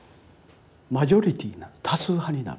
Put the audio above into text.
マジョリティになる多数派になる。